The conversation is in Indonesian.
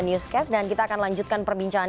newscast dan kita akan lanjutkan perbincangan